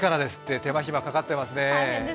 手間暇かかってますね。